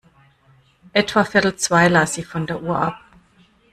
Etwa viertel zwei las sie von der Uhr ab.